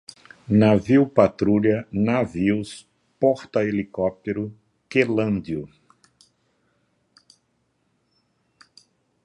Navio-patrulha, navios, porta-helicóptero, quelândio